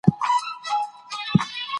آیا په دغه کتاب کي عکسونه شته؟